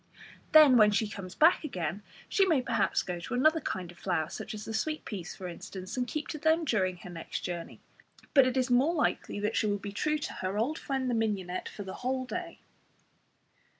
Then when she comes back again she may perhaps go to another kind of flower, such as the sweet peas, for instance, and keep to them during the next journey, but it is more likely that she will be true to her old friend the mignonette for the whole day.